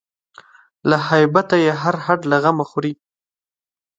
له هیبته یې هر هډ له غمه خوري